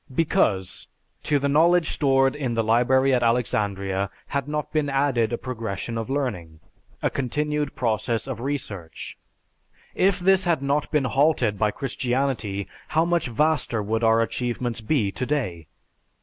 Because, to the knowledge stored in the library at Alexandria had not been added a progression of learning, a continued process of research; if this had not been halted by Christianity, how much vaster would our achievements be today?